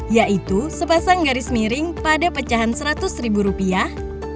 yaitu sepasang garis miring pada pecahan seratus ribu rupiah